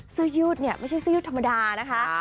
เสื้อยืดเนี่ยไม่ใช่เสื้อยืดธรรมดานะคะ